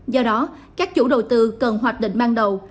do đó các chủ đầu tư cần hoạch định ban đầu